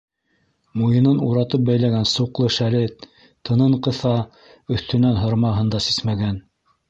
Муйынын уратып бәйләгән суҡлы шәле тынын ҡыҫа, өҫтөнән һырмаһын да сисмәгән.